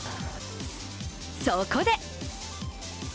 そこで！